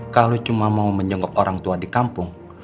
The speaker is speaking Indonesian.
kalau cuma mau menjenguk orang tua di kampung